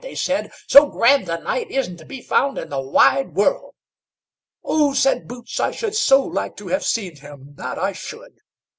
they said; "so grand a knight isn't to be found in the wide world." "Oh!" said Boots, "I should so like to have seen him, that I should."